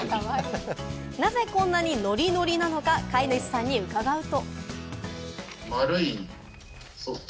なぜこんなにノリノリなのか、飼い主さんに伺うと。